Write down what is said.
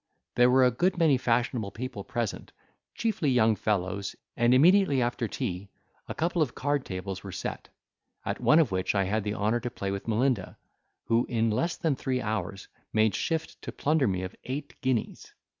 There were a good many fashionable people present, chiefly young fellows, and immediately after tea, a couple of card tables were set, at one of which I had the honour to play with Melinda, who in less than three hours, made shift to plunder me of eight guineas.